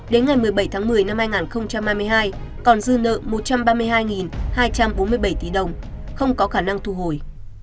đến ngày một mươi bảy tháng một mươi năm hai nghìn hai mươi hai còn dư nợ một trăm ba mươi hai hai trăm bốn mươi bảy tỷ đồng không có khả năng thu hồi